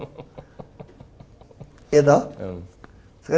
bukan kamu yang punya ide kok